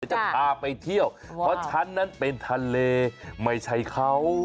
จะพาไปเที่ยวเพราะชั้นนั้นเป็นทะเลไม่ใช่เขา